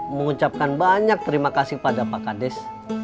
mengucapkan banyak terima kasih pada pak kades